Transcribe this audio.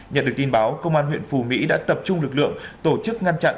nhận được tin báo công an huyện phù mỹ đã tập trung lực lượng tổ chức ngăn chặn